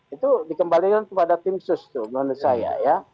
itu dikembalikan kepada tim sus tuh menurut saya ya